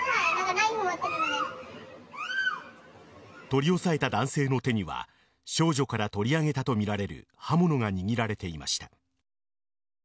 取り押さえた男性の手には少女から取り上げたとみられる刃物が握られていました。